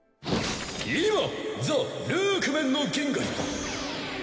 今ザ・ルークメンの銀河に。